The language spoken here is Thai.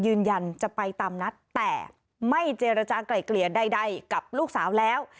ยืนยันจะไปตามนัดแต่ไม่เจรจากลายเกลี่ยใดกับลูกสาวแล้ว